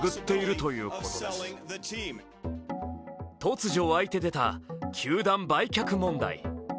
突如わいて出た球団売却問題。